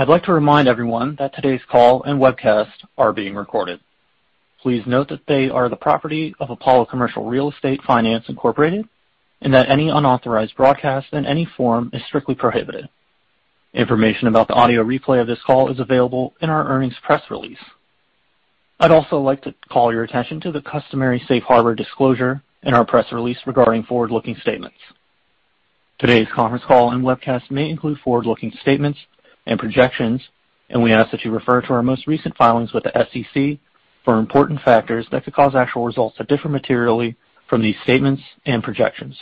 I'd like to remind everyone that today's call and webcast are being recorded. Please note that they are the property of Apollo Commercial Real Estate Finance Incorporated, and that any unauthorized broadcast in any form is strictly prohibited. Information about the audio replay of this call is available in our earnings press release. I'd also like to call your attention to the customary safe harbor disclosure in our press release regarding forward-looking statements. Today's conference call and webcast may include forward-looking statements and projections, and we ask that you refer to our most recent filings with the SEC for important factors that could cause actual results to differ materially from these statements and projections.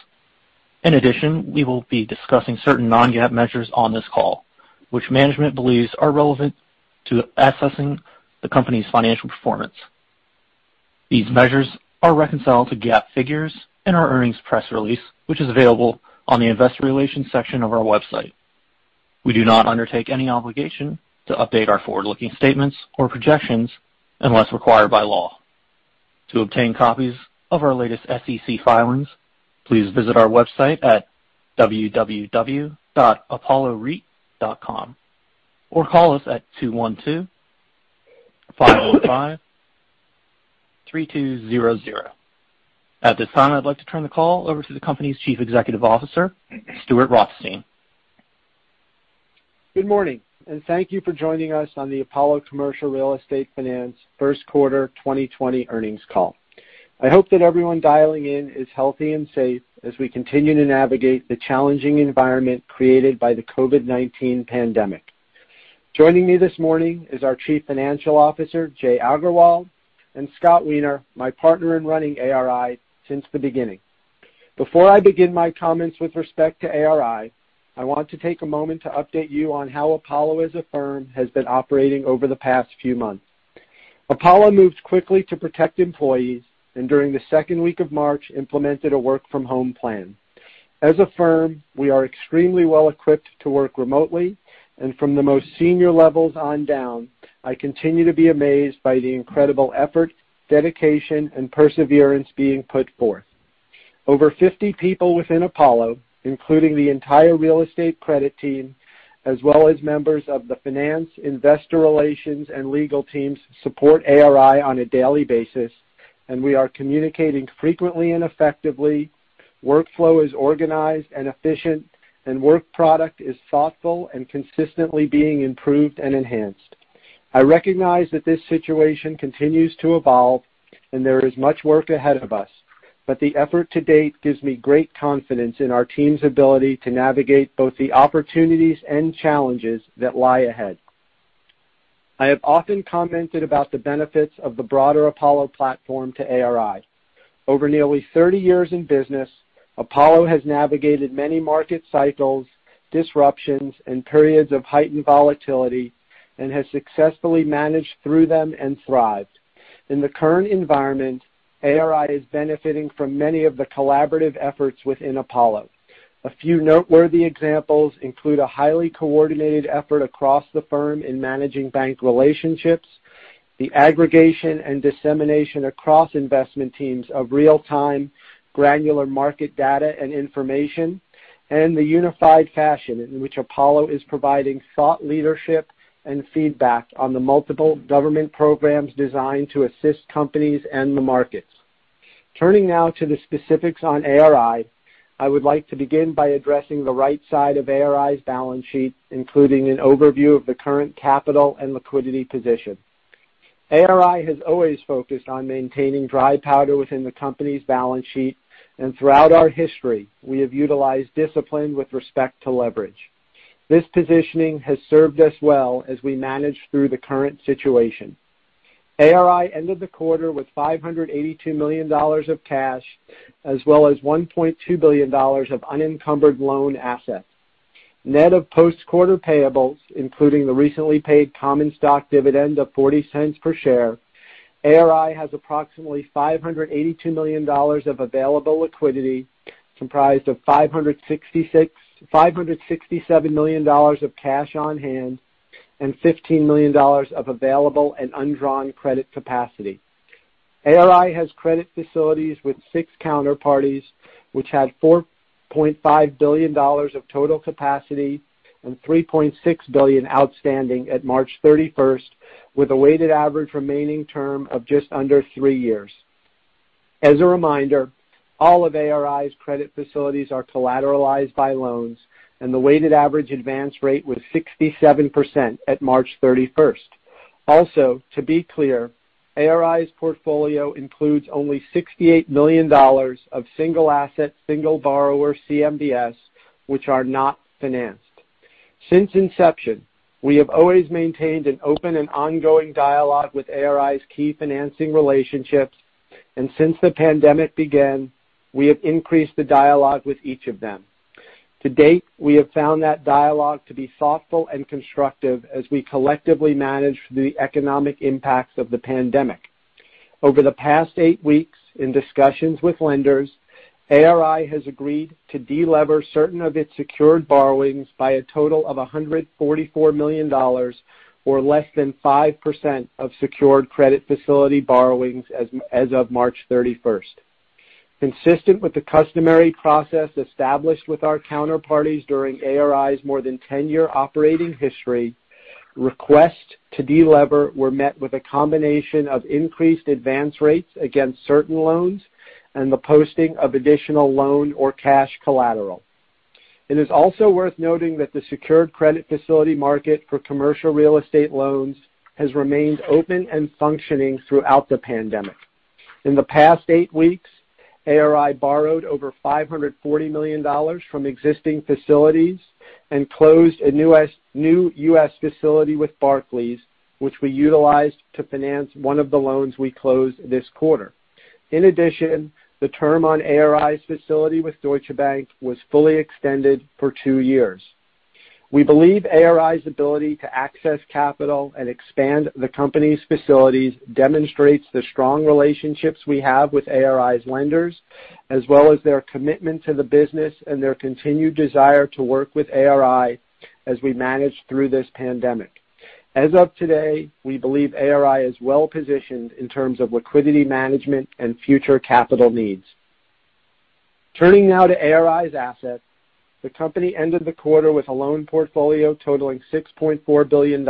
In addition, we will be discussing certain non-GAAP measures on this call, which management believes are relevant to assessing the company's financial performance. These measures are reconciled to GAAP figures in our earnings press release, which is available on the investor relations section of our website. We do not undertake any obligation to update our forward-looking statements or projections unless required by law. To obtain copies of our latest SEC filings, please visit our website at www.apollocref.com or call us at 212-505-3200. At this time, I'd like to turn the call over to the company's Chief Executive Officer, Stuart Rothstein. Good morning, and thank you for joining us on the Apollo Commercial Real Estate Finance first quarter 2020 earnings call. I hope that everyone dialing in is healthy and safe as we continue to navigate the challenging environment created by the COVID-19 pandemic. Joining me this morning is our Chief Financial Officer, Jai Agarwal, and Scott Weiner, my partner in running ARI since the beginning. Before I begin my comments with respect to ARI, I want to take a moment to update you on how Apollo as a firm has been operating over the past few months. Apollo moved quickly to protect employees, and during the second week of March, implemented a work-from-home plan. As a firm, we are extremely well-equipped to work remotely, and from the most senior levels on down, I continue to be amazed by the incredible effort, dedication, and perseverance being put forth. Over 50 people within Apollo, including the entire real estate credit team, as well as members of the finance, investor relations, and legal teams, support ARI on a daily basis, and we are communicating frequently and effectively. Workflow is organized and efficient, and work product is thoughtful and consistently being improved and enhanced. I recognize that this situation continues to evolve, and there is much work ahead of us, but the effort to date gives me great confidence in our team's ability to navigate both the opportunities and challenges that lie ahead. I have often commented about the benefits of the broader Apollo platform to ARI. Over nearly 30 years in business, Apollo has navigated many market cycles, disruptions, and periods of heightened volatility and has successfully managed through them and thrived. In the current environment, ARI is benefiting from many of the collaborative efforts within Apollo. A few noteworthy examples include a highly coordinated effort across the firm in managing bank relationships, the aggregation and dissemination across investment teams of real-time granular market data and information, and the unified fashion in which Apollo is providing thought leadership and feedback on the multiple government programs designed to assist companies and the markets. Turning now to the specifics on ARI, I would like to begin by addressing the right side of ARI's balance sheet, including an overview of the current capital and liquidity position. ARI has always focused on maintaining dry powder within the company's balance sheet, and throughout our history, we have utilized discipline with respect to leverage. This positioning has served us well as we manage through the current situation. ARI ended the quarter with $582 million of cash as well as $1.2 billion of unencumbered loan assets. Net of post-quarter payables, including the recently paid common stock dividend of $0.40/share, ARI has approximately $582 million of available liquidity, comprised of $567 million of cash on hand and $15 million of available and undrawn credit capacity. ARI has credit facilities with six counterparties, which had $4.5 billion of total capacity and $3.6 billion outstanding at March 31st, with a weighted average remaining term of just under three years. As a reminder, all of ARI's credit facilities are collateralized by loans, and the weighted average advance rate was 67% at March 31st. Also, to be clear, ARI's portfolio includes only $68 million of single asset, single borrower CMBS, which are not financed. Since inception, we have always maintained an open and ongoing dialogue with ARI's key financing relationships, and since the pandemic began, we have increased the dialogue with each of them. To date, we have found that dialogue to be thoughtful and constructive as we collectively manage the economic impacts of the pandemic. Over the past eight weeks in discussions with lenders, ARI has agreed to de-lever certain of its secured borrowings by a total of $144 million or less than 5% of secured credit facility borrowings as of March 31st. Consistent with the customary process established with our counterparties during ARI's more than 10-year operating history, request to de-lever were met with a combination of increased advance rates against certain loans and the posting of additional loan or cash collateral. It is also worth noting that the secured credit facility market for commercial real estate loans has remained open and functioning throughout the pandemic. In the past eight weeks, ARI borrowed over $540 million from existing facilities and closed a new U.S. facility with Barclays, which we utilized to finance one of the loans we closed this quarter. In addition, the term on ARI's facility with Deutsche Bank was fully extended for two years. We believe ARI's ability to access capital and expand the company's facilities demonstrates the strong relationships we have with ARI's lenders, as well as their commitment to the business and their continued desire to work with ARI as we manage through this pandemic. As of today, we believe ARI is well-positioned in terms of liquidity management and future capital needs. Turning now to ARI's assets. The company ended the quarter with a loan portfolio totaling $6.4 billion.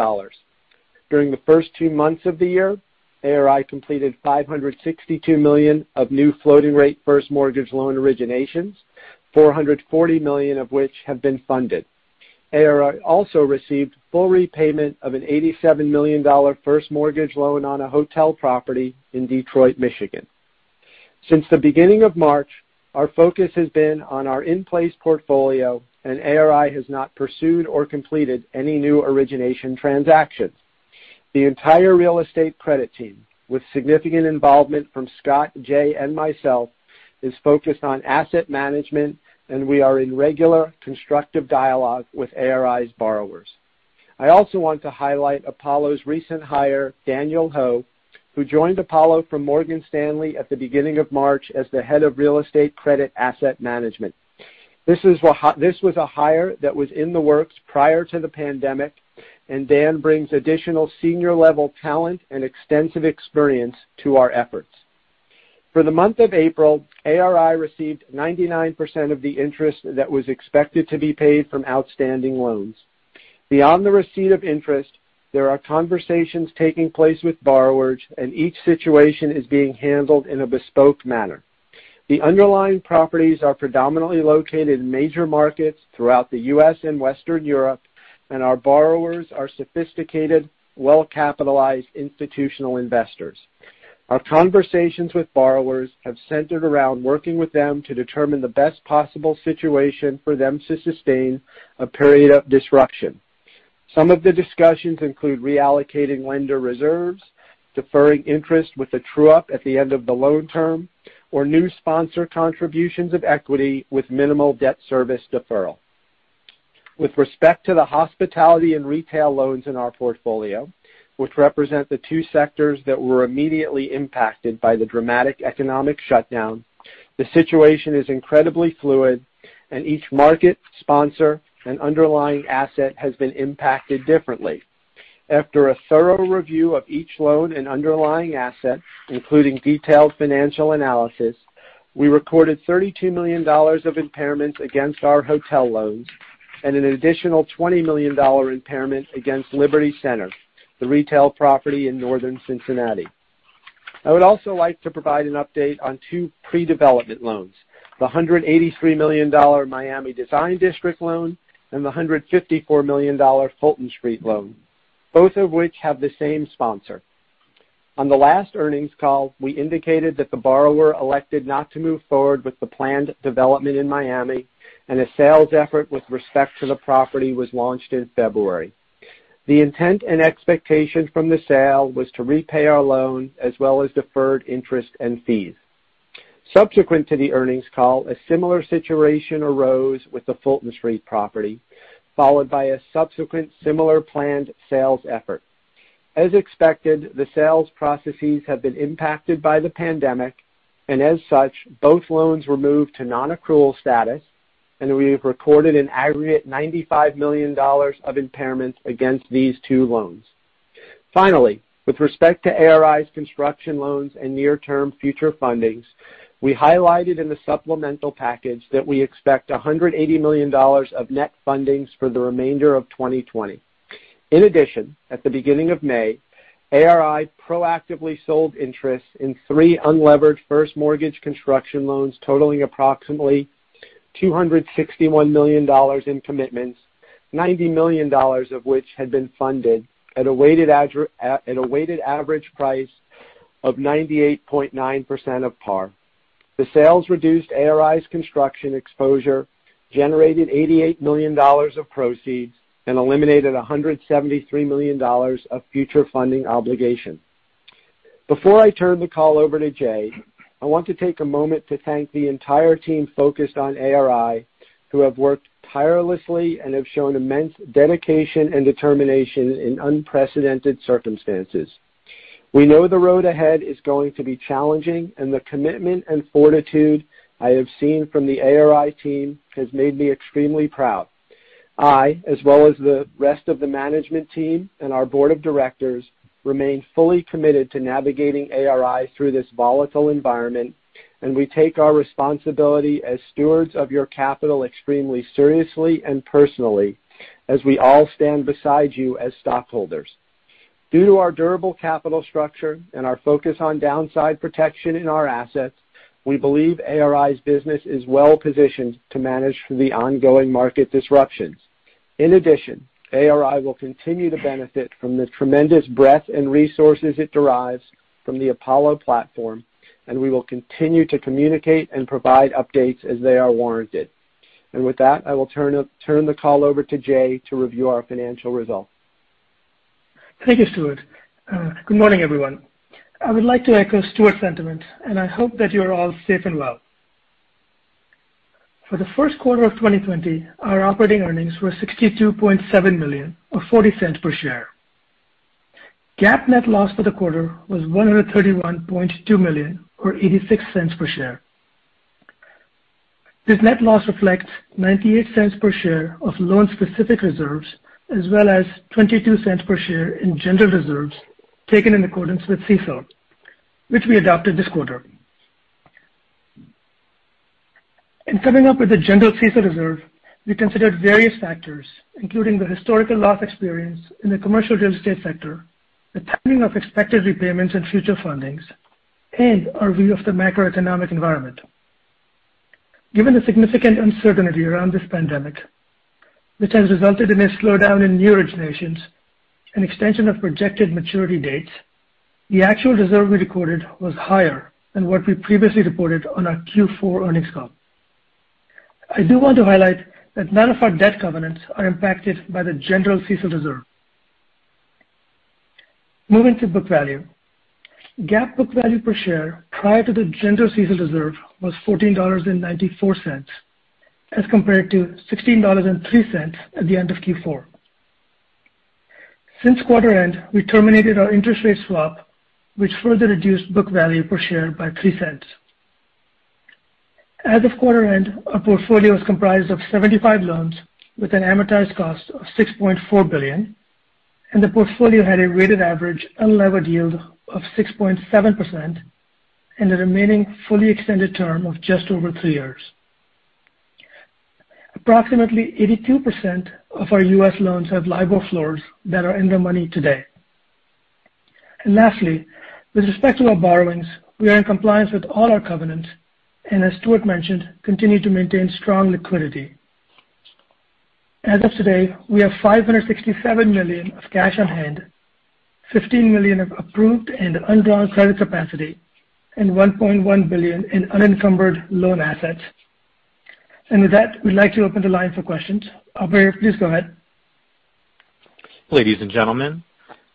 During the first two months of the year, ARI completed $562 million of new floating rate first mortgage loan originations, $440 million of which have been funded. ARI also received full repayment of an $87 million first mortgage loan on a hotel property in Detroit, Michigan. Since the beginning of March, our focus has been on our in-place portfolio, and ARI has not pursued or completed any new origination transactions. The entire real estate credit team, with significant involvement from Scott, Jai, and myself, is focused on asset management, and we are in regular constructive dialogue with ARI's borrowers. I also want to highlight Apollo's recent hire, Daniel Ho, who joined Apollo from Morgan Stanley at the beginning of March as the head of Real Estate Credit Asset Management. This was a hire that was in the works prior to the pandemic, and Dan brings additional senior-level talent and extensive experience to our efforts. For the month of April, ARI received 99% of the interest that was expected to be paid from outstanding loans. Beyond the receipt of interest, there are conversations taking place with borrowers, and each situation is being handled in a bespoke manner. The underlying properties are predominantly located in major markets throughout the U.S. and Western Europe, and our borrowers are sophisticated, well-capitalized institutional investors. Our conversations with borrowers have centered around working with them to determine the best possible situation for them to sustain a period of disruption. Some of the discussions include reallocating lender reserves, deferring interest with a true-up at the end of the loan term, or new sponsor contributions of equity with minimal debt service deferral. With respect to the hospitality and retail loans in our portfolio, which represent the two sectors that were immediately impacted by the dramatic economic shutdown, the situation is incredibly fluid, and each market sponsor and underlying asset has been impacted differently. After a thorough review of each loan and underlying asset, including detailed financial analysis, we recorded $32 million of impairments against our hotel loans and an additional $20 million impairment against Liberty Center, the retail property in northern Cincinnati. I would also like to provide an update on two pre-development loans, the $183 million Miami Design District loan and the $154 million Fulton Street loan, both of which have the same sponsor. On the last earnings call, we indicated that the borrower elected not to move forward with the planned development in Miami, and a sales effort with respect to the property was launched in February. The intent and expectation from the sale was to repay our loan as well as deferred interest and fees. Subsequent to the earnings call, a similar situation arose with the Fulton Street property, followed by a subsequent similar planned sales effort. As expected, the sales processes have been impacted by the pandemic, and as such, both loans were moved to non-accrual status, and we have recorded an aggregate $95 million of impairment against these two loans. Finally, with respect to ARI's construction loans and near-term future fundings, we highlighted in the supplemental package that we expect $180 million of net fundings for the remainder of 2020. In addition, at the beginning of May, ARI proactively sold interests in three unlevered first mortgage construction loans totaling approximately $261 million in commitments, $90 million of which had been funded at a weighted average price of 98.9% of par. The sales reduced ARI's construction exposure, generated $88 million of proceeds, and eliminated $173 million of future funding obligation. Before I turn the call over to Jai, I want to take a moment to thank the entire team focused on ARI, who have worked tirelessly and have shown immense dedication and determination in unprecedented circumstances. We know the road ahead is going to be challenging. The commitment and fortitude I have seen from the ARI team has made me extremely proud. I, as well as the rest of the management team and our board of directors, remain fully committed to navigating ARI through this volatile environment. We take our responsibility as stewards of your capital extremely seriously and personally as we all stand beside you as stockholders. Due to our durable capital structure and our focus on downside protection in our assets, we believe ARI's business is well-positioned to manage through the ongoing market disruptions. In addition, ARI will continue to benefit from the tremendous breadth and resources it derives from the Apollo platform. We will continue to communicate and provide updates as they are warranted. With that, I will turn the call over to Jai to review our financial results. Thank you, Stuart. Good morning, everyone. I would like to echo Stuart's sentiment, and I hope that you're all safe and well. For the first quarter of 2020, our operating earnings were $62.7 million, or $0.40/share. GAAP net loss for the quarter was $131.2 million, or $0.86/share. This net loss reflects $0.98/share of loan-specific reserves, as well as $0.22/share in general reserves taken in accordance with CECL, which we adopted this quarter. In coming up with the general CECL reserve, we considered various factors, including the historical loss experience in the commercial real estate sector, the timing of expected repayments and future fundings, and our view of the macroeconomic environment. Given the significant uncertainty around this pandemic, which has resulted in a slowdown in new originations and extension of projected maturity dates, the actual reserve we recorded was higher than what we previously reported on our Q4 earnings call. I do want to highlight that none of our debt covenants are impacted by the general CECL reserve. Moving to book value. GAAP book value per share prior to the general CECL reserve was $14.94 as compared to $16.03 at the end of Q4. Since quarter end, we terminated our interest rate swap, which further reduced book value per share by $0.03. As of quarter end, our portfolio is comprised of 75 loans with an amortized cost of $6.4 billion, and the portfolio had a weighted average unlevered yield of 6.7% and a remaining fully extended term of just over three years. Approximately 82% of our U.S. loans have LIBOR floors that are in the money today. Lastly, with respect to our borrowings, we are in compliance with all our covenants and, as Stuart mentioned, continue to maintain strong liquidity. As of today, we have $567 million of cash on hand, $15 million of approved and undrawn credit capacity, and $1.1 billion in unencumbered loan assets. With that, we'd like to open the line for questions. Operator, please go ahead. Ladies and gentlemen,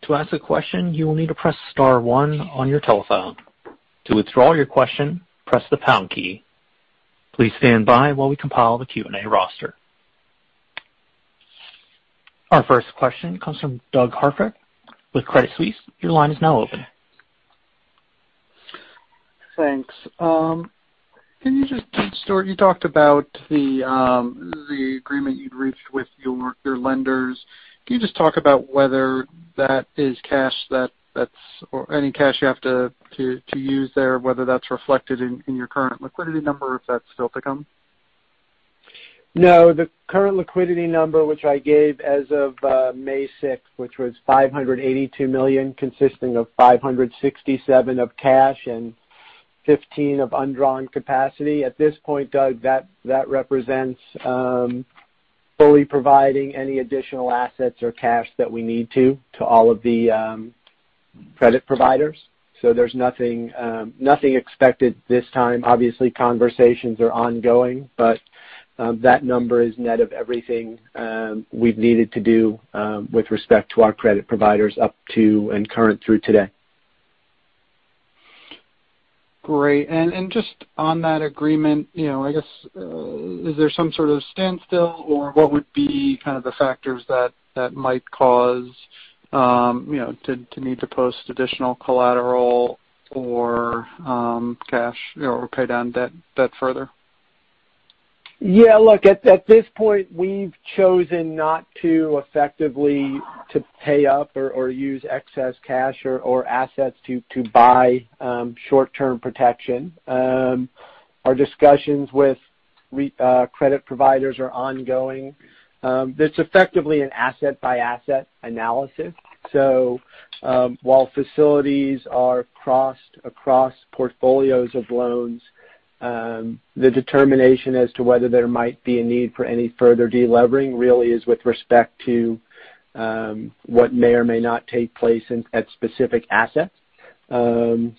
to ask a question, you will need to press star one on your telephone. To withdraw your question, press the pound key. Please stand by while we compile the Q&A roster. Our first question comes from Doug Harter with Credit Suisse. Your line is now open. Thanks. Can you Stuart, you talked about the agreement you'd reached with your lenders. Can you just talk about whether that is cash that's or any cash you have to use there, whether that's reflected in your current liquidity number, or if that's still to come? The current liquidity number, which I gave as of May 6th, which was $582 million, consisting of $567 million of cash and $15 million of undrawn capacity. At this point, Doug, that represents fully providing any additional assets or cash that we need to all of the credit providers. There's nothing expected this time. Obviously, conversations are ongoing, but that number is net of everything we've needed to do with respect to our credit providers up to and current through today. Great. Just on that agreement, I guess, is there some sort of standstill? Or what would be kind of the factors that might cause to need to post additional collateral or cash or pay down debt further? Yeah, look, at this point, we've chosen not to effectively pay up or use excess cash or assets to buy short-term protection. Our discussions with credit providers are ongoing. That's effectively an asset-by-asset analysis. While facilities are crossed across portfolios of loans, the determination as to whether there might be a need for any further de-levering really is with respect to what may or may not take place at specific assets. We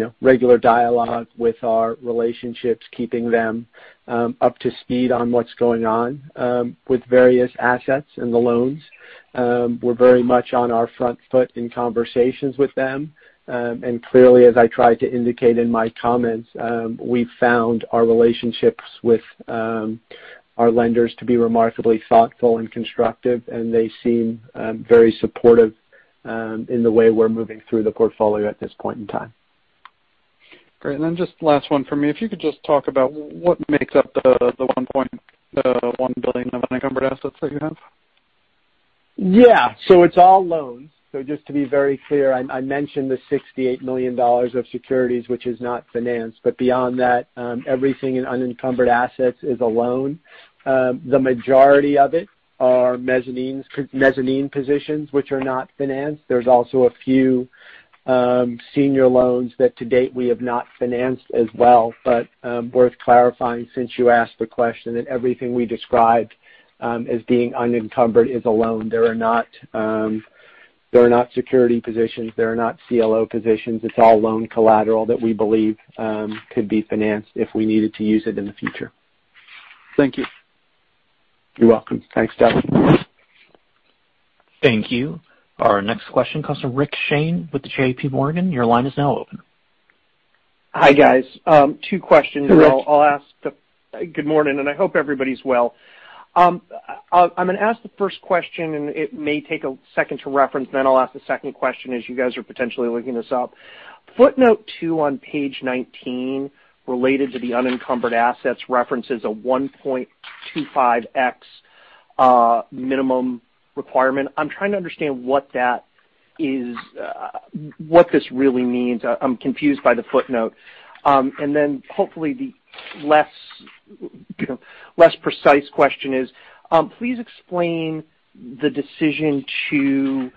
have regular dialogue with our relationships, keeping them up to speed on what's going on with various assets and the loans. We're very much on our front foot in conversations with them. Clearly, as I tried to indicate in my comments, we've found our relationships with our lenders to be remarkably thoughtful and constructive, and they seem very supportive in the way we're moving through the portfolio at this point in time. Great. Just last one from me. If you could just talk about what makes up the $1.1 billion of unencumbered assets that you have. Yeah. It's all loans. Just to be very clear, I mentioned the $68 million of securities, which is not financed. Beyond that, everything in unencumbered assets is a loan. The majority of it are mezzanine positions, which are not financed. There's also a few senior loans that to date we have not financed as well. Worth clarifying, since you asked the question, that everything we described as being unencumbered is a loan. They are not security positions. They are not CLO positions. It's all loan collateral that we believe could be financed if we needed to use it in the future. Thank you. You're welcome. Thanks, Dustin. Thank you. Our next question comes from Rick Shane with JPMorgan. Your line is now open. Hi, guys. Two questions. Sure, Rick. Good morning. I hope everybody's well. I'm going to ask the first question. It may take a second to reference. I'll ask the second question as you guys are potentially looking this up. Footnote two on page 19, related to the unencumbered assets, references a 1.25x minimum requirement. I'm trying to understand what this really means. I'm confused by the footnote. Hopefully the less precise question is, please explain the decision to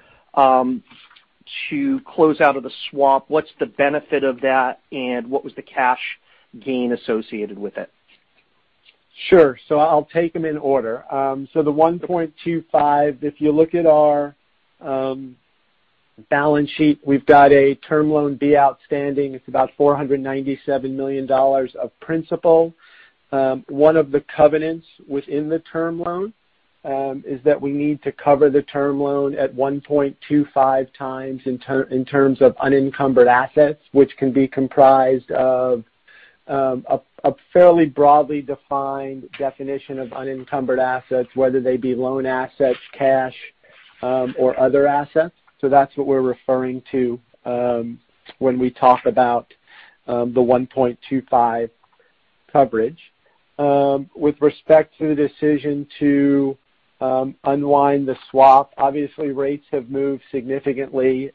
close out of the swap. What's the benefit of that? What was the cash gain associated with it? Sure. I'll take them in order. The 1.25x, if you look at our balance sheet, we've got a Term Loan B outstanding. It's about $497 million of principal. One of the covenants within the Term Loan is that we need to cover the Term Loan at 1.25x in terms of unencumbered assets, which can be comprised of a fairly broadly defined definition of unencumbered assets, whether they be loan assets, cash, or other assets. That's what we're referring to when we talk about the 1.25x coverage. With respect to the decision to unwind the swap, obviously rates have moved significantly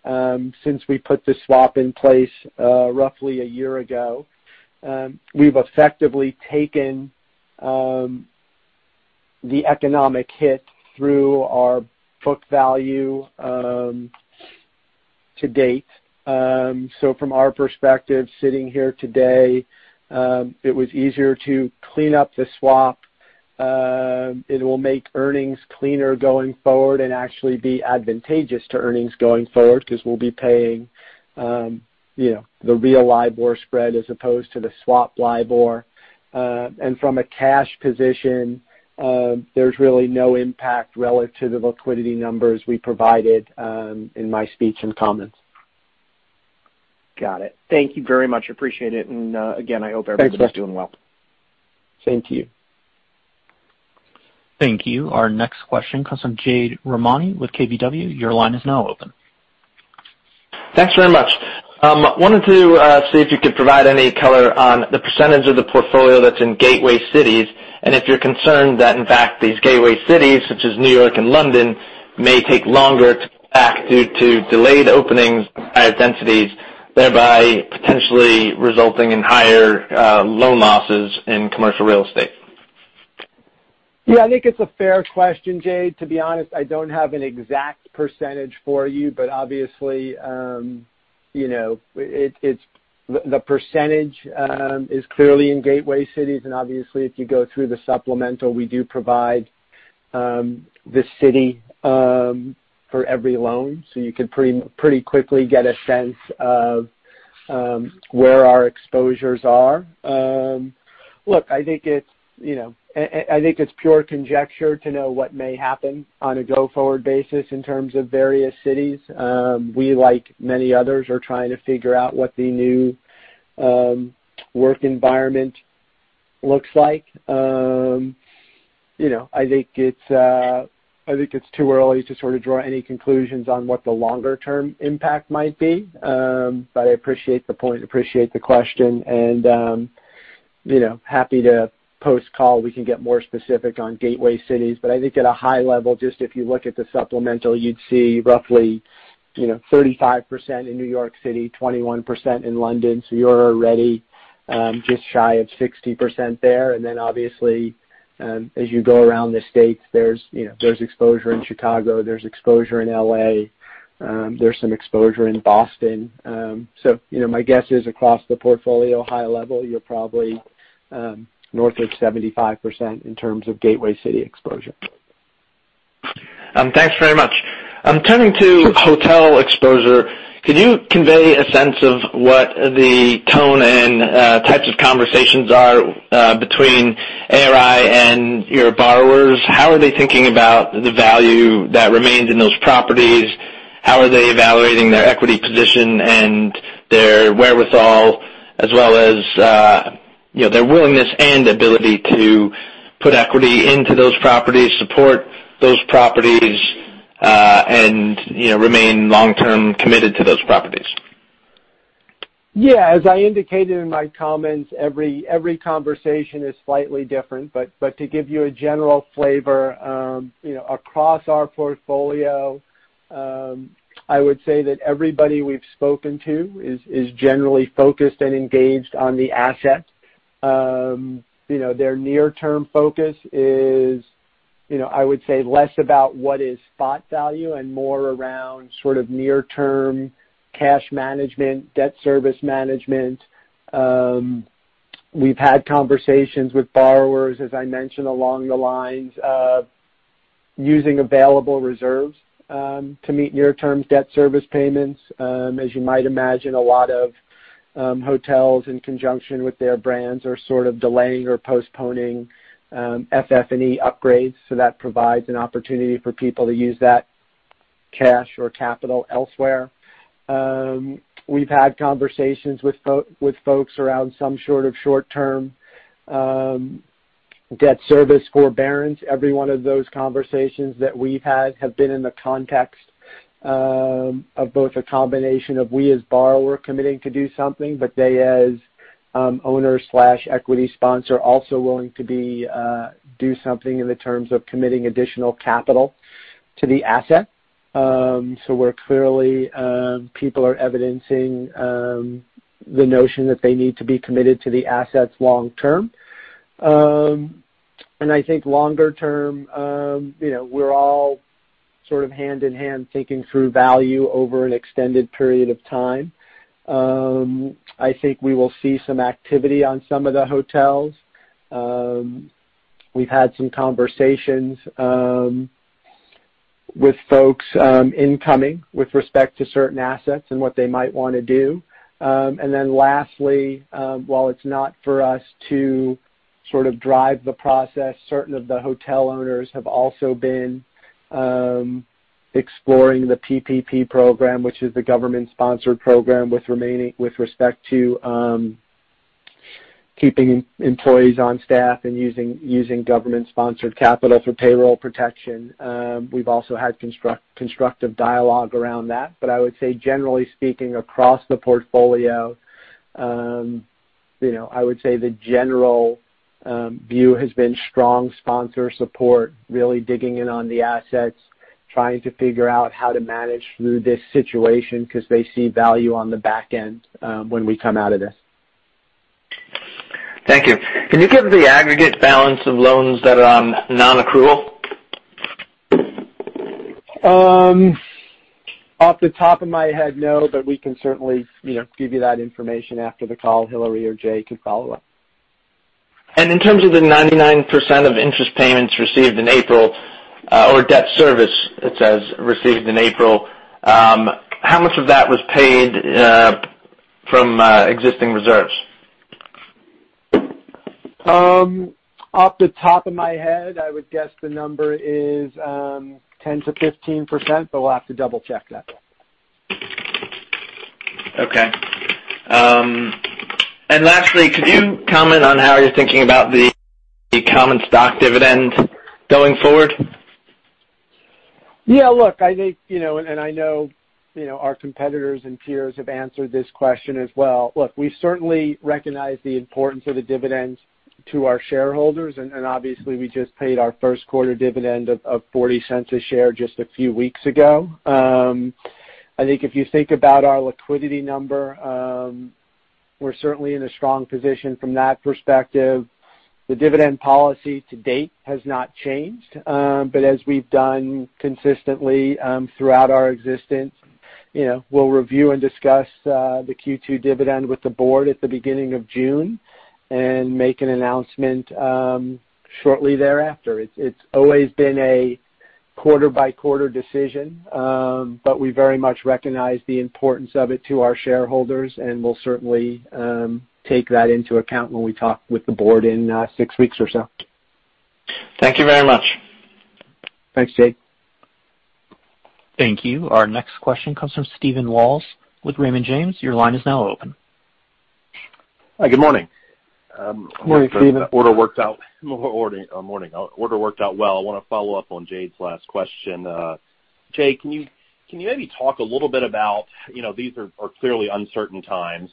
since we put the swap in place roughly a year ago. We've effectively taken the economic hit through our book value to date. From our perspective, sitting here today, it was easier to clean up the swap. It will make earnings cleaner going forward and actually be advantageous to earnings going forward because we'll be paying the real LIBOR spread as opposed to the swap LIBOR. From a cash position, there's really no impact relative to the liquidity numbers we provided in my speech and comments. Got it. Thank you very much. Appreciate it. Again, I hope everybody's- Thanks, Rick. doing well. Same to you. Thank you. Our next question comes from Jade Rahmani with KBW. Your line is now open. Thanks very much. Wanted to see if you could provide any color on the percentage of the portfolio that's in gateway cities, and if you're concerned that in fact, these gateway cities, such as New York and London, may take longer to come back due to delayed openings and higher densities, thereby potentially resulting in higher loan losses in commercial real estate? Yeah, I think it's a fair question, Jade. To be honest, I don't have an exact percentage for you, but obviously, the percentage is clearly in gateway cities, and obviously, if you go through the supplemental, we do provide the city for every loan, so you could pretty quickly get a sense of where our exposures are. Look, I think it's pure conjecture to know what may happen on a go-forward basis in terms of various cities. We, like many others, are trying to figure out what the new work environment looks like. I think it's too early to sort of draw any conclusions on what the longer-term impact might be. I appreciate the point, appreciate the question, and happy to post-call. We can get more specific on gateway cities. I think at a high level, just if you look at the supplemental, you'd see roughly 35% in New York City, 21% in London. You're already just shy of 60% there. Obviously, as you go around the States, there's exposure in Chicago, there's exposure in L.A., there's some exposure in Boston. My guess is across the portfolio, high level, you're probably north of 75% in terms of gateway city exposure. Thanks very much. I'm turning to hotel exposure. Could you convey a sense of what the tone and types of conversations are between ARI and your borrowers? How are they thinking about the value that remains in those properties? How are they evaluating their equity position and their wherewithal, as well as their willingness and ability to put equity into those properties, support those properties, and remain long-term committed to those properties? Yeah. As I indicated in my comments, every conversation is slightly different. To give you a general flavor, across our portfolio, I would say that everybody we've spoken to is generally focused and engaged on the asset. Their near-term focus is, I would say, less about what is spot value and more around sort of near-term cash management, debt service management. We've had conversations with borrowers, as I mentioned, along the lines of using available reserves to meet near-term debt service payments. As you might imagine, a lot of hotels in conjunction with their brands are sort of delaying or postponing FF&E upgrades, so that provides an opportunity for people to use that cash or capital elsewhere. We've had conversations with folks around some sort of short-term debt service forbearance. Every one of those conversations that we've had have been in the context of both a combination of we as borrower committing to do something, but they as owner/equity sponsor also willing to do something in the terms of committing additional capital to the asset. We're clearly, people are evidencing the notion that they need to be committed to the assets long term. I think longer term, we're all sort of hand-in-hand thinking through value over an extended period of time. I think we will see some activity on some of the hotels. We've had some conversations with folks incoming with respect to certain assets and what they might want to do. Lastly, while it's not for us to sort of drive the process, certain of the hotel owners have also been exploring the PPP Program, which is the government-sponsored program with respect to keeping employees on staff and using government-sponsored capital for payroll protection. We've also had constructive dialogue around that. I would say, generally speaking, across the portfolio, I would say the general view has been strong sponsor support, really digging in on the assets, trying to figure out how to manage through this situation because they see value on the back end when we come out of this. Thank you. Can you give the aggregate balance of loans that are on non-accrual? Off the top of my head, no, but we can certainly give you that information after the call. Hilary or Jai can follow up. In terms of the 99% of interest payments received in April, or debt service, it says, received in April, how much of that was paid from existing reserves? Off the top of my head, I would guess the number is 10%-15%, but we'll have to double-check that. Okay. Lastly, could you comment on how you're thinking about the common stock dividend going forward? Look, I think, I know our competitors and peers have answered this question as well. We certainly recognize the importance of the dividends to our shareholders. Obviously, we just paid our first quarter dividend of $0.40/share just a few weeks ago. I think if you think about our liquidity number, we're certainly in a strong position from that perspective. The dividend policy to date has not changed. As we've done consistently throughout our existence, we'll review and discuss the Q2 dividend with the board at the beginning of June and make an announcement shortly thereafter. It's always been a quarter-by-quarter decision. We very much recognize the importance of it to our shareholders. We'll certainly take that into account when we talk with the board in six weeks or so. Thank you very much. Thanks, Jade. Thank you. Our next question comes from Stephen Laws with Raymond James. Your line is now open. Hi, good morning. Morning, Stephen. Order worked out. Morning. Order worked out well. I want to follow up on Jade's last question. Jai, can you maybe talk a little bit about, these are clearly uncertain times.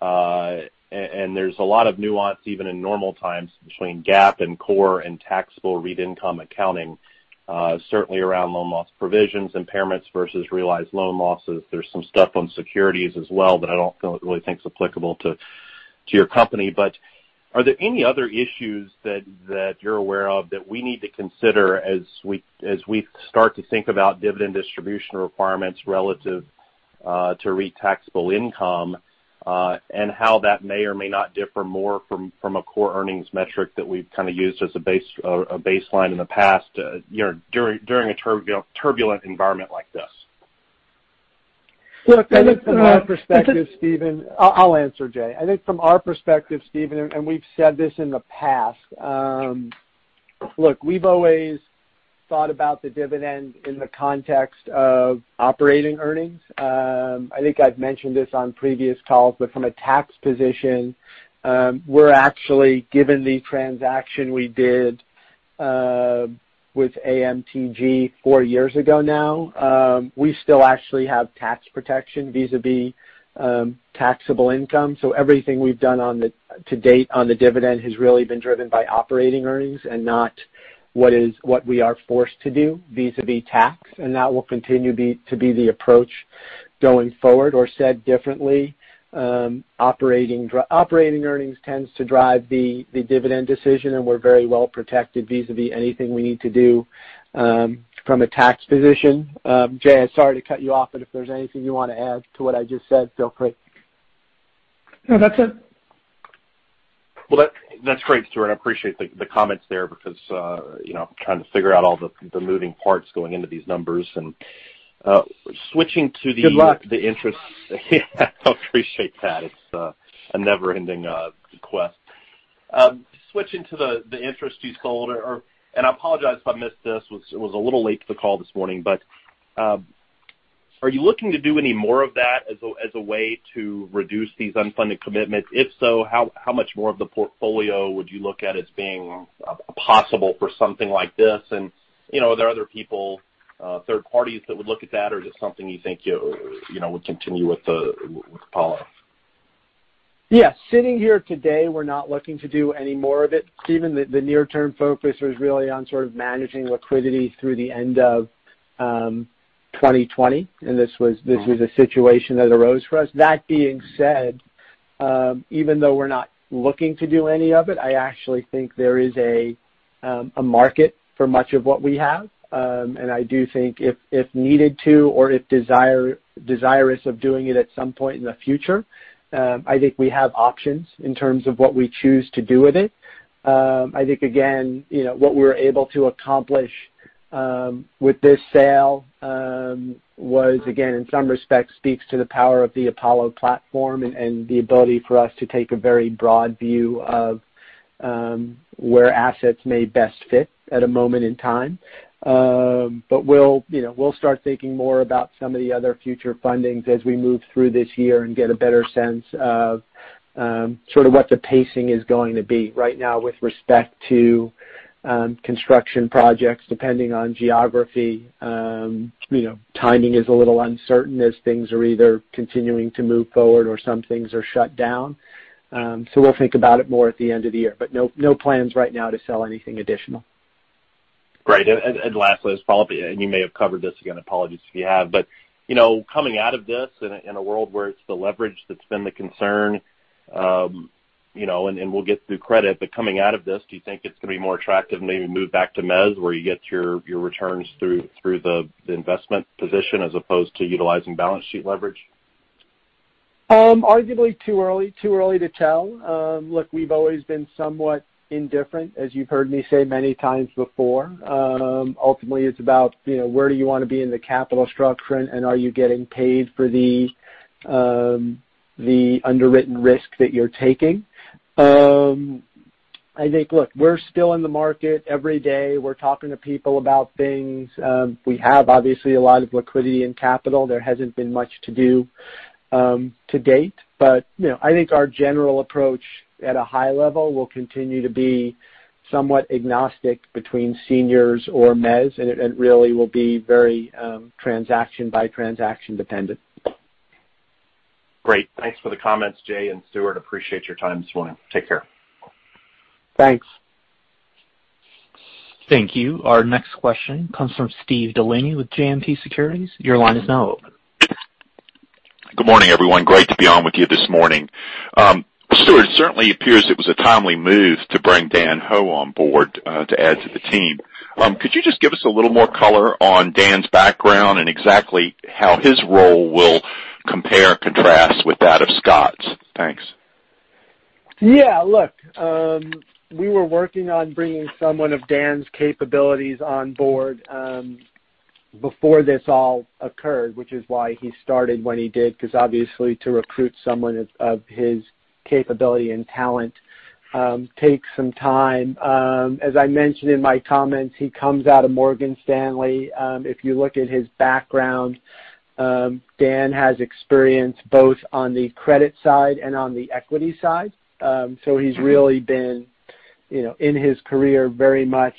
There's a lot of nuance even in normal times between GAAP and core and taxable REIT income accounting, certainly around loan loss provisions, impairments versus realized loan losses. There's some stuff on securities as well that I don't really think is applicable to your company. Are there any other issues that you're aware of that we need to consider as we start to think about dividend distribution requirements relative to taxable income, and how that may or may not differ more from a core earnings metric that we've kind of used as a baseline in the past during a turbulent environment like this. I think from our perspective, Stephen, I'll answer, Jai. I think from our perspective, Stephen, we've said this in the past. We've always thought about the dividend in the context of operating earnings. I think I've mentioned this on previous calls, from a tax position, we're actually given the transaction we did with AMTG four years ago now. We still actually have tax protection vis-à-vis taxable income. Everything we've done to date on the dividend has really been driven by operating earnings and not what we are forced to do vis-à-vis tax, that will continue to be the approach going forward, or said differently. Operating earnings tends to drive the dividend decision, we're very well protected vis-à-vis anything we need to do from a tax position. Jai, I'm sorry to cut you off, but if there's anything you want to add to what I just said, feel free. No, that's it. Well, that's great, Stuart. I appreciate the comments there because I'm trying to figure out all the moving parts going into these numbers. Good luck. The interest. Yeah. I appreciate that. It's a never-ending quest. Switching to the interest you sold, and I apologize if I missed this, was a little late to the call this morning. Are you looking to do any more of that as a way to reduce these unfunded commitments? If so, how much more of the portfolio would you look at as being possible for something like this? Are there other people, third parties that would look at that, or is it something you think you would continue with Apollo? Yeah. Sitting here today, we're not looking to do any more of it. Stephen, the near-term focus was really on sort of managing liquidity through the end of 2020, and this was a situation that arose for us. That being said, even though we're not looking to do any of it, I actually think there is a market for much of what we have. I do think if needed to or if desirous of doing it at some point in the future, I think we have options in terms of what we choose to do with it. I think, again, what we were able to accomplish with this sale was, again, in some respects speaks to the power of the Apollo platform and the ability for us to take a very broad view of where assets may best fit at a moment in time. We'll start thinking more about some of the other future fundings as we move through this year and get a better sense of sort of what the pacing is going to be. Right now, with respect to construction projects, depending on geography, timing is a little uncertain as things are either continuing to move forward or some things are shut down. We'll think about it more at the end of the year. No plans right now to sell anything additional. Great. Lastly, you may have covered this. Again, apologies if you have. Coming out of this in a world where it's the leverage that's been the concern, and we'll get through credit, coming out of this, do you think it's going to be more attractive, maybe move back to mezz, where you get your returns through the investment position as opposed to utilizing balance sheet leverage? Arguably too early to tell. Look, we've always been somewhat indifferent, as you've heard me say many times before. Ultimately, it's about where do you want to be in the capital structure, and are you getting paid for the underwritten risk that you're taking? I think, look, we're still in the market every day. We're talking to people about things. We have, obviously, a lot of liquidity and capital. There hasn't been much to do to date. I think our general approach at a high level will continue to be somewhat agnostic between seniors or mezz, and it really will be very transaction-by-transaction dependent. Great. Thanks for the comments, Jai and Stuart. Appreciate your time this morning. Take care. Thanks. Thank you. Our next question comes from Steve Delaney with JMP Securities. Your line is now open. Good morning, everyone. Great to be on with you this morning. Stuart, it certainly appears it was a timely move to bring Dan Ho on board to add to the team. Could you just give us a little more color on Dan's background and exactly how his role will compare or contrast with that of Scott's? Thanks. Look, we were working on bringing someone of Dan's capabilities on board before this all occurred, which is why he started when he did. Obviously, to recruit someone of his capability and talent takes some time. As I mentioned in my comments, he comes out of Morgan Stanley. If you look at his background, Dan has experience both on the credit side and on the equity side. He's really been, in his career, very much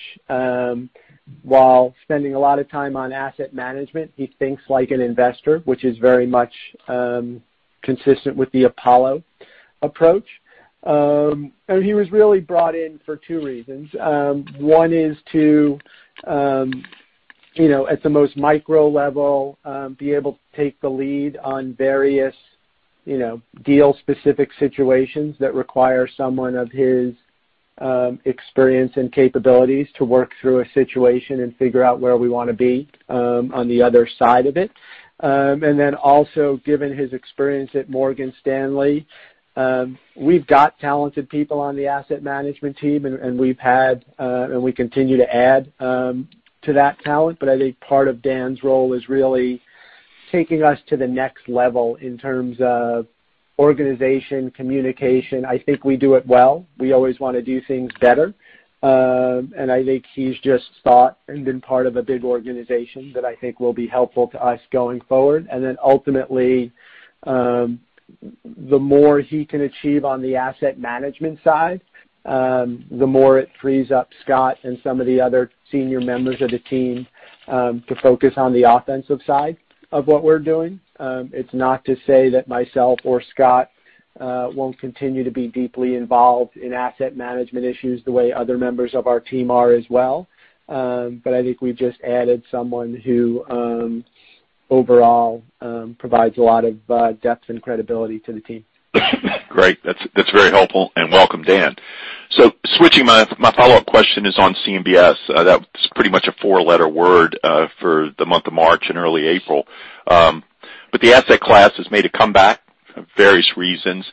while spending a lot of time on asset management. He thinks like an investor, which is very much consistent with the Apollo approach. He was really brought in for two reasons. One is to, at the most micro level, be able to take the lead on various deal-specific situations that require someone of his experience and capabilities to work through a situation and figure out where we want to be on the other side of it. Given his experience at Morgan Stanley, we've got talented people on the asset management team, and we continue to add to that talent. Part of Dan's role is really taking us to the next level in terms of organization, communication. I think we do it well. We always want to do things better. He's just thought and been part of a big organization that I think will be helpful to us going forward. Ultimately, the more he can achieve on the asset management side, the more it frees up Scott and some of the other senior members of the team to focus on the offensive side of what we're doing. It's not to say that myself or Scott won't continue to be deeply involved in asset management issues the way other members of our team are as well. I think we've just added someone who, overall, provides a lot of depth and credibility to the team. Great. That's very helpful. Welcome, Dan. Switching, my follow-up question is on CMBS. That was pretty much a four-letter word for the month of March and early April. The asset class has made a comeback for various reasons.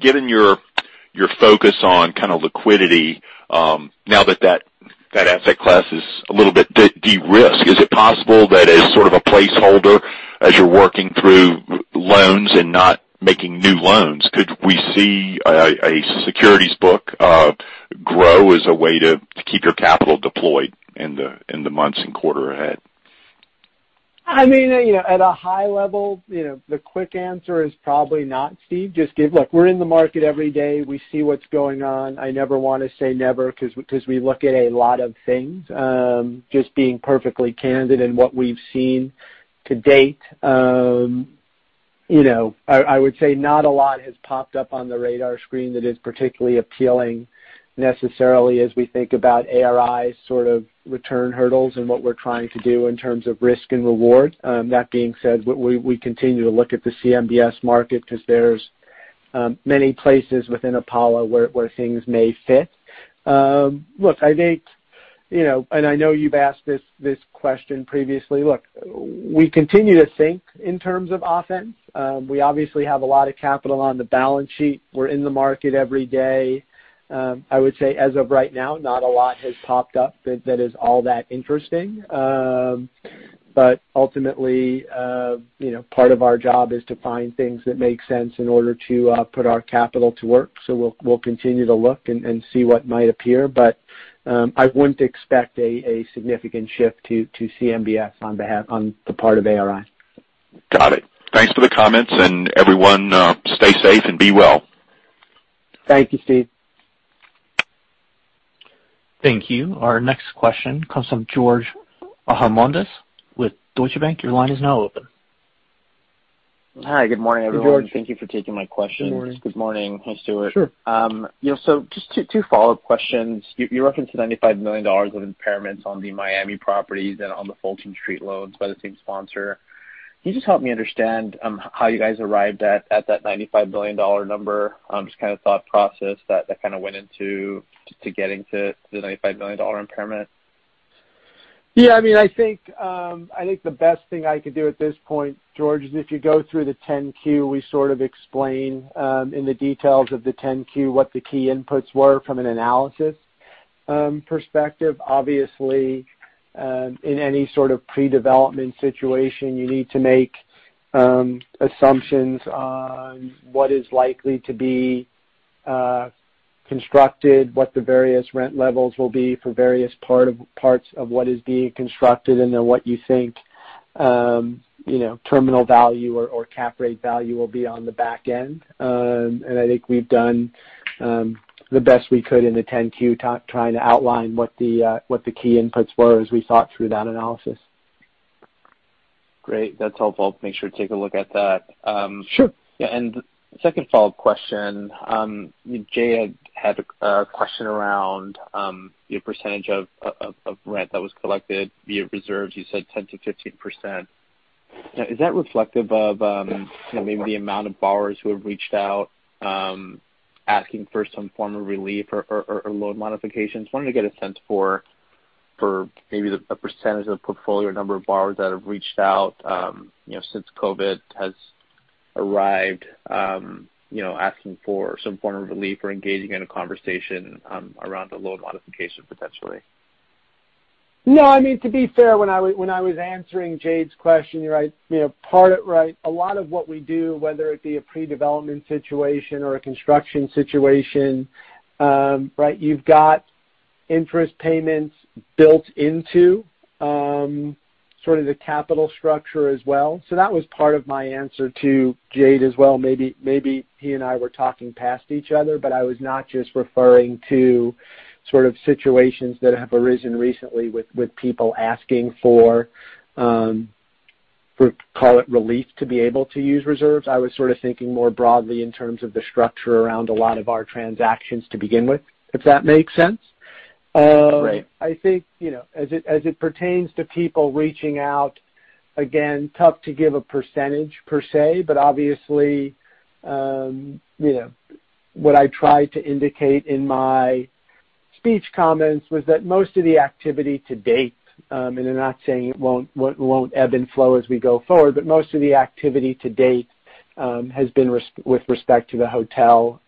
Given your focus on kind of liquidity, now that that asset class is a little bit de-risked, is it possible that as sort of a placeholder, as you're working through loans and not making new loans, could we see a securities book grow as a way to keep your capital deployed in the months and quarter ahead? At a high level, the quick answer is probably not, Steve. Look, we're in the market every day. We see what's going on. I never want to say never because we look at a lot of things. Just being perfectly candid in what we've seen to date, I would say not a lot has popped up on the radar screen that is particularly appealing necessarily as we think about ARI's sort of return hurdles and what we're trying to do in terms of risk and reward. That being said, we continue to look at the CMBS market because there's many places within Apollo where things may fit. Look, I know you've asked this question previously. Look, we continue to think in terms of offense. We obviously have a lot of capital on the balance sheet. We're in the market every day. I would say as of right now, not a lot has popped up that is all that interesting. Ultimately, part of our job is to find things that make sense in order to put our capital to work. We'll continue to look and see what might appear. I wouldn't expect a significant shift to CMBS on the part of ARI. Got it. Thanks for the comments. Everyone, stay safe and be well. Thank you, Steve. Thank you. Our next question comes from George Bahamondes with Deutsche Bank. Your line is now open. Hi. Good morning, everyone. Hey, George. Thank you for taking my question. Good morning. Good morning. Hi, Stuart. Sure. Just two follow-up questions. You referenced $95 million of impairments on the Miami properties and on the Fulton Street loans by the same sponsor. Can you just help me understand how you guys arrived at that $95 million number? Just kind of thought process that went into getting to the $95 million impairment. Yeah. I think the best thing I could do at this point, George, is if you go through the 10-Q, we sort of explain in the details of the 10-Q what the key inputs were from an analysis perspective. Obviously, in any sort of pre-development situation, you need to make assumptions on what is likely to be constructed, what the various rent levels will be for various parts of what is being constructed, and then what you think terminal value or cap rate value will be on the back end. I think we've done the best we could in the 10-Q, trying to outline what the key inputs were as we thought through that analysis. Great. That's helpful. Make sure to take a look at that. Sure. Yeah. Second follow-up question. Jade had a question around your percentage of rent that was collected via reserves. You said 10%-15%. Is that reflective of maybe the amount of borrowers who have reached out asking for some form of relief or loan modifications? Wanted to get a sense for maybe the percentage of the portfolio, number of borrowers that have reached out since COVID has arrived, asking for some form of relief or engaging in a conversation around a loan modification potentially. No, to be fair, when I was answering Jade's question, you're right. Part it right, a lot of what we do, whether it be a pre-development situation or a construction situation, you've got interest payments built into sort of the capital structure as well. That was part of my answer to Jade as well. Maybe he and I were talking past each other, I was not just referring to sort of situations that have arisen recently with people asking for, call it relief to be able to use reserves. I was sort of thinking more broadly in terms of the structure around a lot of our transactions to begin with, if that makes sense. Great. I think, as it pertains to people reaching out, again, tough to give a percentage per se, but obviously, what I tried to indicate in my speech comments was that most of the activity to date, and I'm not saying it won't ebb and flow as we go forward, but most of the activity to date has been with respect to the hotel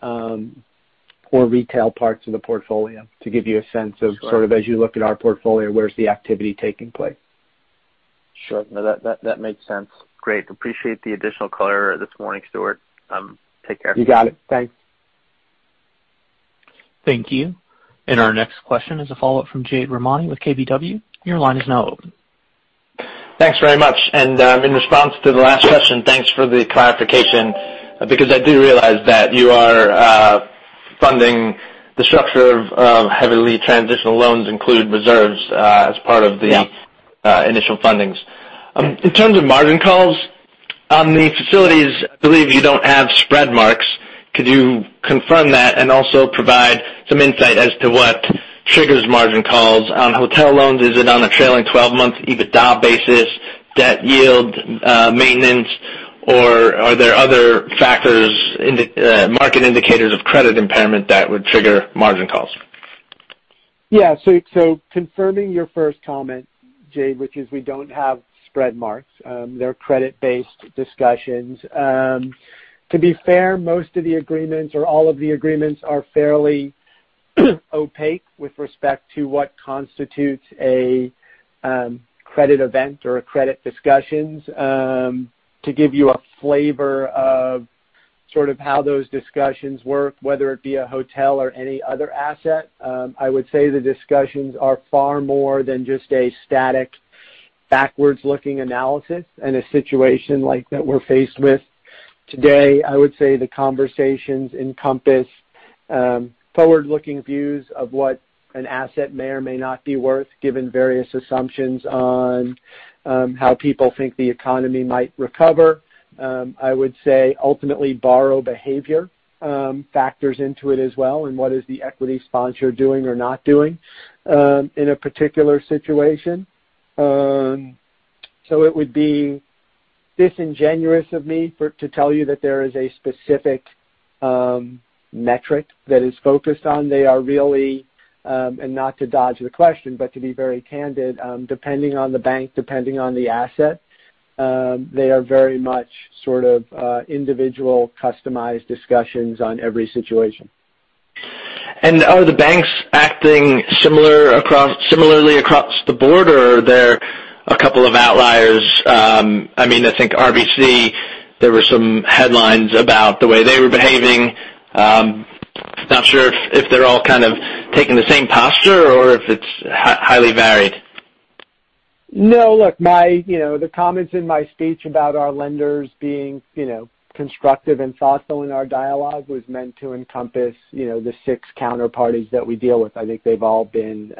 or retail parts of the portfolio, to give you a sense of- Sure. sort of as you look at our portfolio, where's the activity taking place? Sure. No, that makes sense. Great. Appreciate the additional color this morning, Stuart. Take care. You got it. Thanks. Thank you. Our next question is a follow-up from Jade Rahmani with KBW. Your line is now open. Thanks very much. In response to the last question, thanks for the clarification, because I do realize that you are funding the structure of heavily transitional loans, including reserves. Yeah. As part of the initial fundings. In terms of margin calls on the facilities, I believe you don't have spread marks. Could you confirm that and also provide some insight as to what triggers margin calls on hotel loans? Is it on a trailing 12-month EBITDA basis, debt yield, maintenance, or are there other factors, market indicators of credit impairment that would trigger margin calls? Yeah. Confirming your first comment, Jade, which is we don't have spread marks. They're credit-based discussions. To be fair, most of the agreements or all of the agreements are fairly opaque with respect to what constitutes a credit event or a credit discussions. To give you a flavor of sort of how those discussions work, whether it be a hotel or any other asset, I would say the discussions are far more than just a static, backwards-looking analysis in a situation like that we're faced with today. I would say the conversations encompass forward-looking views of what an asset may or may not be worth, given various assumptions on how people think the economy might recover. I would say ultimately borrow behavior factors into it as well, and what is the equity sponsor doing or not doing in a particular situation. It would be disingenuous of me to tell you that there is a specific metric that is focused on. They are really, and not to dodge the question, but to be very candid, depending on the bank, depending on the asset, they are very much sort of individual customized discussions on every situation. Are the banks acting similarly across the board, or are there a couple of outliers? I think RBC, there were some headlines about the way they were behaving. I'm not sure if they're all kind of taking the same posture or if it's highly varied. No, look, the comments in my speech about our lenders being constructive and thoughtful in our dialogue was meant to encompass the six counterparties that we deal with. I think they've all been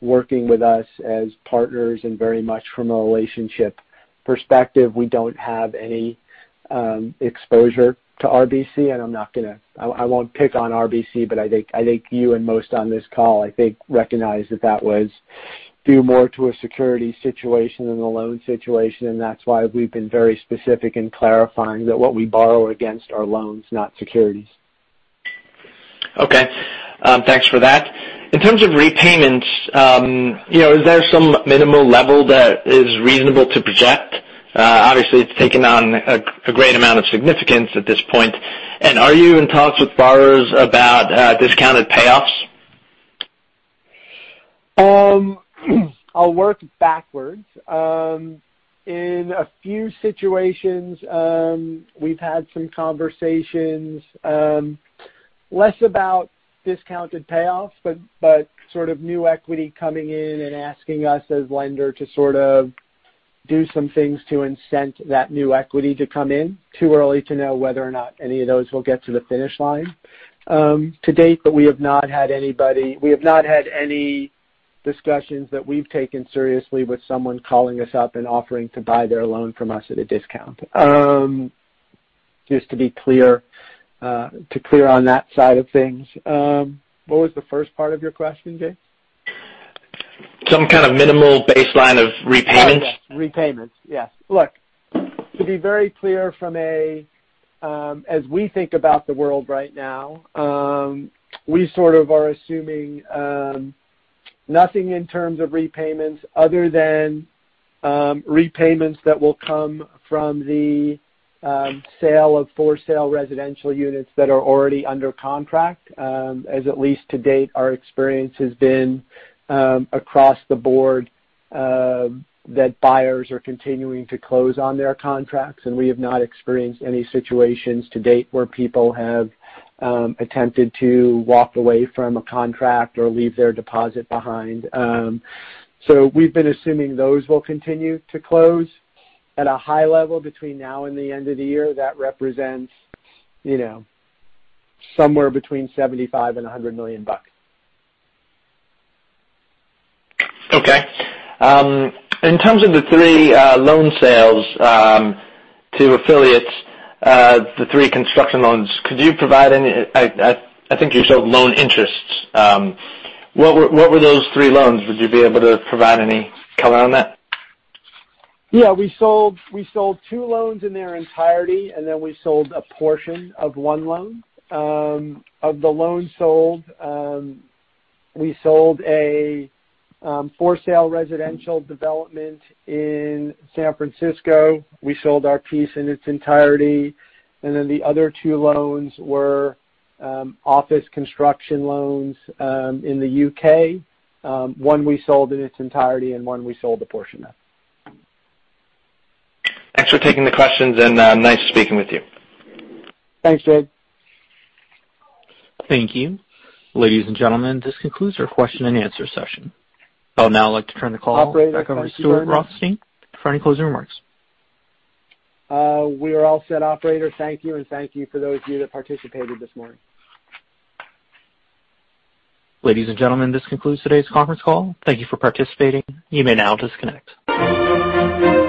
working with us as partners, and very much from a relationship perspective. We don't have any exposure to RBC, and I won't pick on RBC. I think you and most on this call, I think, recognize that was due more to a security situation than a loan situation, and that's why we've been very specific in clarifying that what we borrow against are loans, not securities. Okay. Thanks for that. In terms of repayments, is there some minimal level that is reasonable to project? Obviously, it's taken on a great amount of significance at this point. Are you in talks with borrowers about discounted payoffs? I'll work backwards. In a few situations, we've had some conversations, less about discounted payoffs, but sort of new equity coming in and asking us as lender to sort of do some things to incent that new equity to come in. Too early to know whether or not any of those will get to the finish line. To date, we have not had any discussions that we've taken seriously with someone calling us up and offering to buy their loan from us at a discount. Just to be clear on that side of things. What was the first part of your question, Jade? Some kind of minimal baseline of repayments. Oh, yeah. Repayments. Yes. Look, to be very clear, as we think about the world right now, we sort of are assuming nothing in terms of repayments other than repayments that will come from the sale of for-sale residential units that are already under contract. As at least to date, our experience has been across the board that buyers are continuing to close on their contracts, and we have not experienced any situations to date where people have attempted to walk away from a contract or leave their deposit behind. We've been assuming those will continue to close at a high level between now and the end of the year. That represents somewhere between $75 million and $100 million. Okay. In terms of the three loan sales to affiliates, the three construction loans, I think you showed loan interests. What were those three loans? Would you be able to provide any color on that? Yeah, we sold two loans in their entirety, and then we sold a portion of one loan. Of the loans sold, we sold a for-sale residential development in San Francisco. We sold our piece in its entirety. The other two loans were office construction loans in the U.K. One we sold in its entirety and one we sold a portion of. Thanks for taking the questions, and nice speaking with you. Thanks, Jade. Thank you. Ladies and gentlemen, this concludes our question and answer session. I would now like to turn the call back over to Stuart Rothstein for any closing remarks. We are all set, operator. Thank you, and thank you for those of you that participated this morning. Ladies and gentlemen, this concludes today's conference call. Thank you for participating. You may now disconnect.